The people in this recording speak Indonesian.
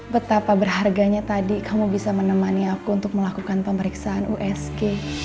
betapa berharganya tadi kamu bisa menemani aku untuk melakukan pemeriksaan usg